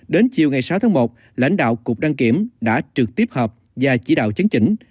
đến chiều ngày sáu tháng một lãnh đạo cục đăng kiểm đã trực tiếp họp và chỉ đạo chấn chỉnh